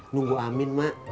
nunggu amin mak